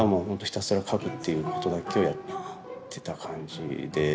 ひたすら描くっていうことだけをやってた感じで。